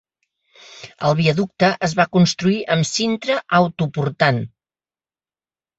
El viaducte es va construir amb cintra autoportant.